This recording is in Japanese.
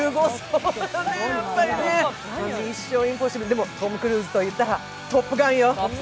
でもトム・クルーズといったら「トップガン」よ。